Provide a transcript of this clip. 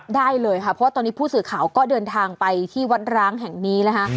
ได้เลยค่ะเพราะว่าตอนนี้ผู้สื่อข่าวก็เดินทางไปที่วัดร้างแห่งนี้นะคะ